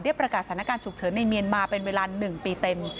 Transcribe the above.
ประกาศสถานการณ์ฉุกเฉินในเมียนมาเป็นเวลา๑ปีเต็ม